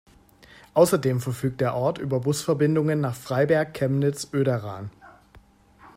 Außerdem verfügt der Ort über Busverbindungen nach Freiberg, Chemnitz, Oederan.